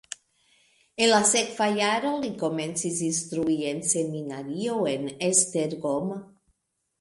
En la sekva jaro li komencis instrui en seminario en Esztergom.